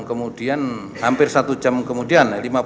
kemudian hampir satu jam kemudian